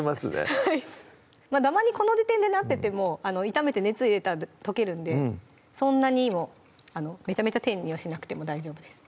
はいダマにこの時点でなってても炒めて熱入れたら溶けるんでそんなにもめちゃめちゃ丁寧にはしなくても大丈夫です